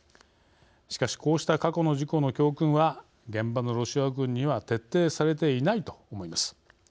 しかしこうした過去の事故の教訓は現場のロシア軍には徹底されていないと思います。